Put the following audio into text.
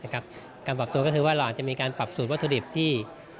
การปรับตัวก็คือว่าเราอาจจะมีการปรับสูตรวัตถุดิบที่